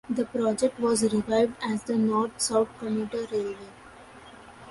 The project was revived as the North–South Commuter Railway.